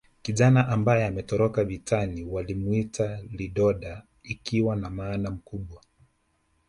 Kijana ambaye ametoka vitani walimwita lidoda ikiwa na maana mkubwa